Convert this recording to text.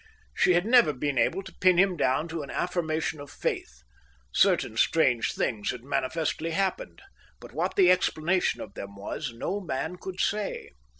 She had never been able to pin him down to an affirmation of faith. Certain strange things had manifestly happened, but what the explanation of them was, no man could say.